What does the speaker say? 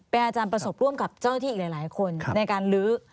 เป็นอาจารย์ประสบร่วมกับเจ้าที่อีกหลายคนในการลื้อ